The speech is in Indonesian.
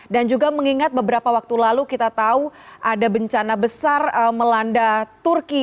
dan juga mengingat beberapa waktu lalu kita tahu ada bencana besar melanda turki